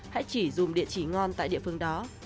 hãy chỉ dùng địa chỉ ngon tại địa phương đó